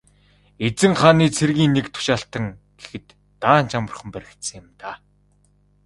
Эзэн хааны цэргийн нэг тушаалтан гэхэд даанч амархан баригдсан юм даа.